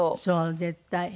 そう絶対。